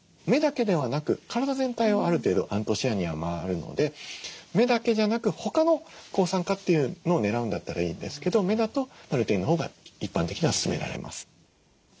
目だけではなく体全体をある程度アントシアニンは回るので目だけじゃなく他の抗酸化というのをねらうんだったらいいんですけど目だとルテインのほうが一般的には勧められます。